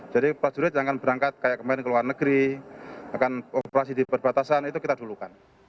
jadi prajurit yang akan berangkat ke luar negeri akan operasi di perbatasan itu kita dulukan